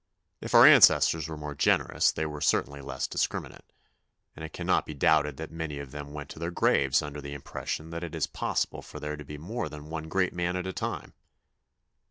If our ancestors were more generous they were certainly less dis criminate ; and it cannot be doubted that many of them went to their graves under the impression that it is possible for there to be more than one great man at a time